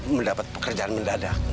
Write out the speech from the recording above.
mendapat pekerjaan mendadak